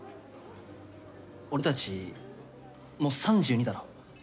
俺たちもう３２だろ？